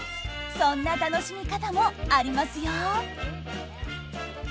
そんな楽しみ方もありますよ。